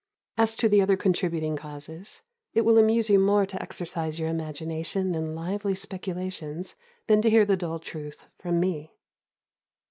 As to the other contributing causes, it will amuse you more to exercise your imagination in lively speculations than to hear the dull truth from me.